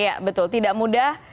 iya betul tidak mudah